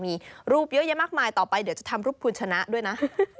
มีรูปเยอะแยะมากมายต่อไปเดี๋ยวจะทำรูปคุณชนะด้วยนะ